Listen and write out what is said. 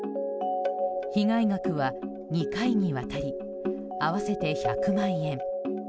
被害額は、２回にわたり合わせて１００万円。